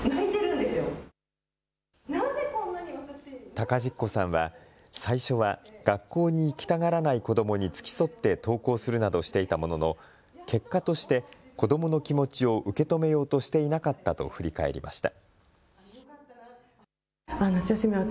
高実子さんは最初は学校に行きたがらない子どもに付き添って登校するなどしていたものの結果として子どもの気持ちを受け止めようとしていなかったと振り返りました。